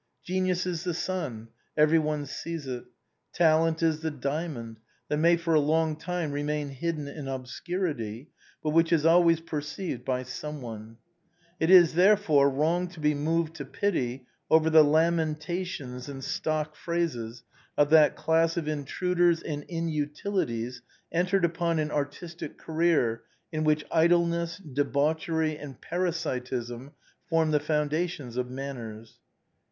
Genius is the sun, every one sees it. Talent is the diamond that may for a long time remain hidden in obscurity, but which is always perceived by some one. It is, therefore, wrong to be moved to pity over the lamentations and stock phrases of that class of intruders and inutilities entered upon an artistic career in spite of art itself, and who go to make up in Bohemia a class in which idleness, debauchery, and parasitism form the foundation of manners.